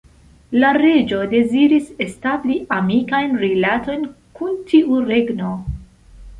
La reĝo deziris establi amikajn rilatojn kun tiu regno.